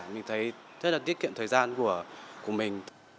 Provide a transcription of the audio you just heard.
mình thấy rất là tiết kiệm thời gian của mình